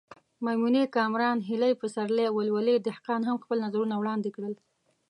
میمونې کامران، هیلې پسرلی او ولولې دهقان هم خپل نظرونه وړاندې کړل.